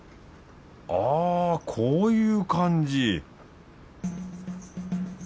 あこういう感じ